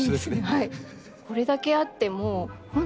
はい。